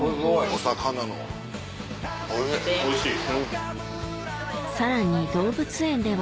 おいしい。